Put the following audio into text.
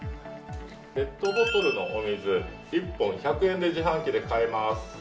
ペットボトルのお水１本１００円で自販機で買えます。